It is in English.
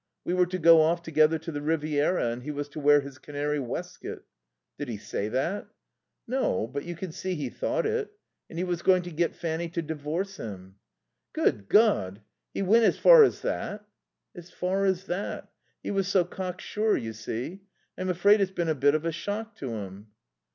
We were to go off together to the Riviera, and he was to wear his canary waistcoat." "Did he say that?" "No. But you could see he thought it. And he was going to get Fanny to divorce him." "Good God! He went as far as that?" "As far as that. He was so cocksure, you see. I'm afraid it's been a bit of a shock to him."